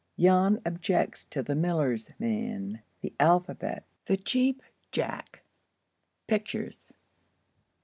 —JAN OBJECTS TO THE MILLER'S MAN.—THE ALPHABET.—THE CHEAP JACK.—"PITCHERS."